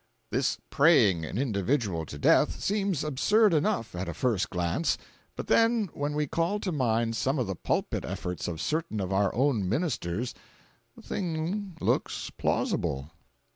This praying an individual to death seems absurd enough at a first glance, but then when we call to mind some of the pulpit efforts of certain of our own ministers the thing looks plausible.